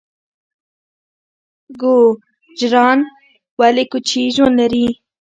ګوجران ولې کوچي ژوند لري؟